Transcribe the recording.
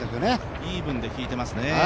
イーブンで引いてますね。